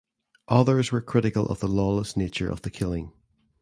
Others were critical of the lawless nature of the killing.